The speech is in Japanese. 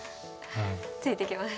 ついていきます。